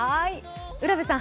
浦部さん